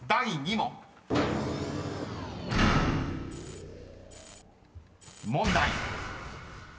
［問題］